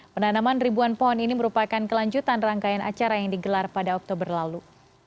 penanaman ribuan pohon ini merupakan kelanjutan rangkaian acara yang digelar pada oktober lalu